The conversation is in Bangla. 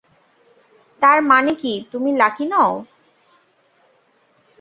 তার মানে কি তুমি লাকি নও?